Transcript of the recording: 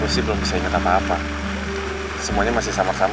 selamat ulang tahun ya